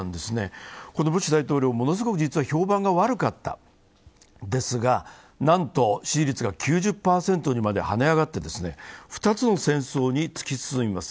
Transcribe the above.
ブッシュ大統領はものすごく評判が悪かったんですが、なんと支持率が９０％にまで跳ね上がって２つの戦争に突き進みます。